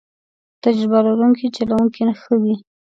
تجربه لرونکی چلوونکی ښه وي.